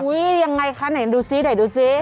ยังไงคะไหนดูซิไหนดูสิ